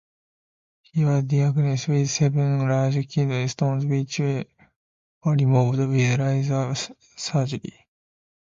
He was diagnosed with seven large kidney stones, which were removed with laser surgery.